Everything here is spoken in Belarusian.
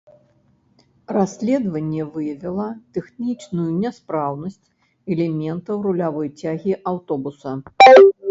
Расследаванне выявіла тэхнічную няспраўнасць элементаў рулявой цягі аўтобуса.